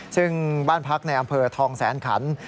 ซึ่งบ้านพักในอำเภอทองแสนขัน